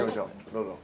どうぞ。